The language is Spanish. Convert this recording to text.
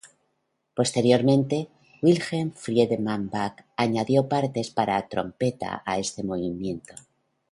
Posteriormente, Wilhelm Friedemann Bach añadió partes para trompeta a este movimiento.